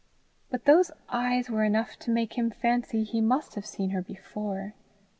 But those eyes were enough to make him fancy he must have seen her before.